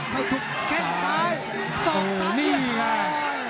แล้วทุกแข่งซ้าย๒๓เรียกค่ะ